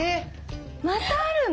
またあるの？